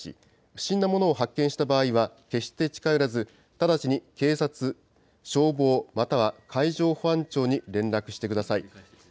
不審なものを発見した場合には、決して近寄らず、直ちに警察、消防、または海上保安庁に連絡してください。